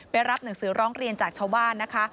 รับหนังสือร้องเรียนจากชาวบ้านนะคะ